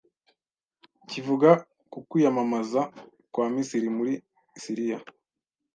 kivuga ku kwiyamamaza kwa Misiri muri Siriya.